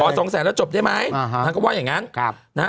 ขอสองแสนแล้วจบได้ไหมนางก็ว่าอย่างนั้น